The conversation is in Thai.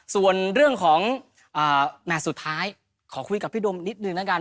ส่วนเรื่องของแมทสุดท้ายขอคุยกับพี่โดมนิดนึงแล้วกัน